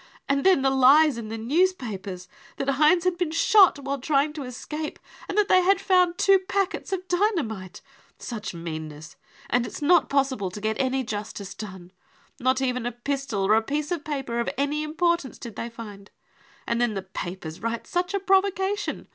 And then the lies in the newspapers, that Heinz had been shot while trying to escape and that they had found two packets of dynamite 1 Such mean ness, and it's not possible to get any justice done. Not even a pistol or a piece of paper of any importance did they find ! And then the papers write such a provo cation